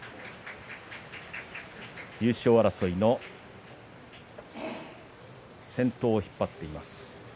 優勝争いの先頭を引っ張っています。